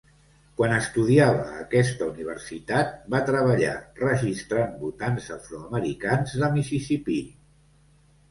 Quan estudiava a aquesta universitat, va treballar registrant votants afroamericans de Mississipí.